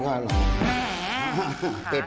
แม่